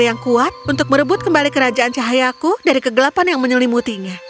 kami akan mencari penyihir yang kuat untuk merebut kembali kerajaan cahayaku dari kegelapan yang menyelimutinya